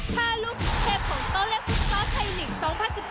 ๕ลูกยิงสุดเทพของโตเล็กฟุตซอลไทนิกส์๒๐๑๗